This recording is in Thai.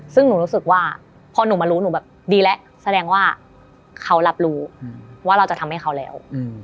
ซึ่งหนูรู้สึกว่าพอหนูมารู้หนูแบบดีแล้วแสดงว่าเขารับรู้ว่าเราจะทำให้เขาแล้ว